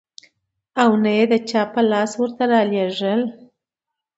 او نه يې د چا په لاس ورته راولېږل .